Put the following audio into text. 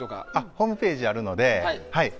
ホームページあるので。